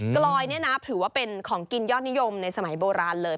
กลอยนี่นะถือว่าเป็นของกินยอดนิยมในสมัยโบราณเลย